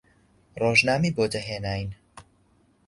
ڕۆژنامەی بۆ دەهێناین